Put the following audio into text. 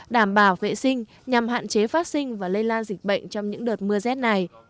đảm bảo vệ sinh nhằm hạn chế phát sinh và lây lan dịch bệnh trong những đợt mưa rét này